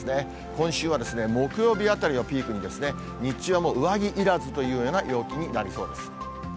今週は、木曜日あたりをピークに、日中はもう、上着いらずというような陽気になりそうです。